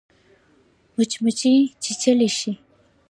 مچمچۍ چیچلای شي